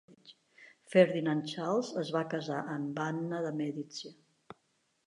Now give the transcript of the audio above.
Ferdinand Charles es va casar amb Anna de' Medici.